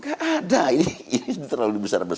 gak ada ini terlalu besar besar